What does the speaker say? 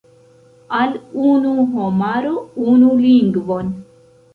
Al unu homaro unu lingvon.